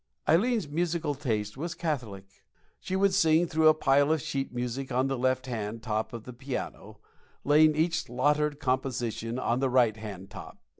Ileen's musical taste was catholic. She would sing through a pile of sheet music on the left hand top of the piano, laying each slaughtered composition on the right hand top.